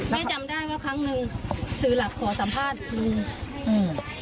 แม่จำได้ว่าครั้งนึงสื่อหลักขอสัมภาษณ์ลูก